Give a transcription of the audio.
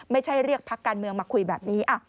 ไม่ใช่เรียกพักการเมืองมาคุยแบบนี้